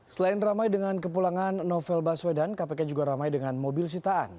selain ramai dengan kepulangan novel baswedan kpk juga ramai dengan mobil sitaan